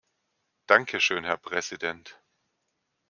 Danke schön, Herr Präsident!